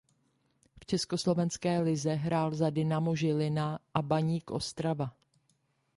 V československé lize hrál za Dynamo Žilina a Baník Ostrava.